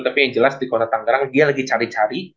tapi yang jelas di kota tanggarang dia lagi cari cari